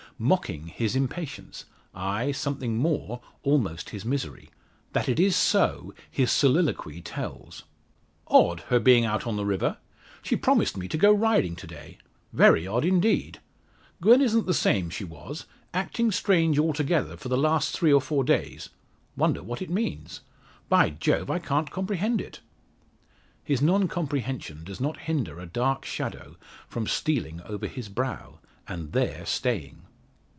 Mocking his impatience; ay, something more, almost his misery! That it is so his soliloquy tells: "Odd her being out on the river! She promised me to go riding to day. Very odd indeed! Gwen isn't the same she was acting strange altogether for the last three or four days. Wonder what it means! By Jove, I can't comprehend it!" His noncomprehension does not hinder a dark shadow from stealing over his brow, and there staying.